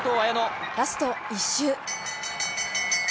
ラスト１周。